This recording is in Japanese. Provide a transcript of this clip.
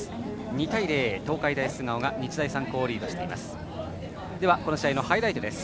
２対０、東海大菅生が日大三高をリードしています。